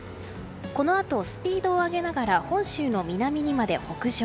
このあとスピードを上げながら本州の南にまで北上。